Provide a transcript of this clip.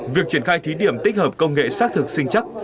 việc triển khai thí điểm tích hợp công nghệ xác thực sinh chắc